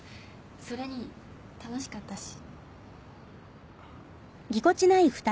それに楽しかったし。